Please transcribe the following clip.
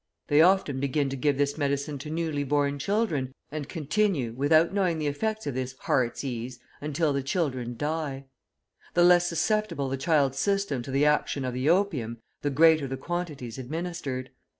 They often begin to give this medicine to newly born children, and continue, without knowing the effects of this "heartsease," until the children die. The less susceptible the child's system to the action of the opium, the greater the quantities administered.